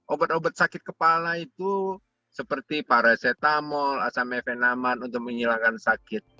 obat obat sakit kepala itu seperti paracetamol asam efenaman untuk menghilangkan sakit